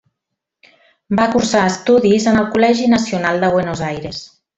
Va cursar estudis en el Col·legi Nacional de Buenos Aires.